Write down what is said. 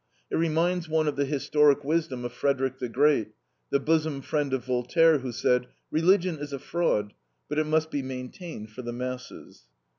It reminds one of the historic wisdom of Frederic the Great, the bosom friend of Voltaire, who said: "Religion is a fraud, but it must be maintained for the masses."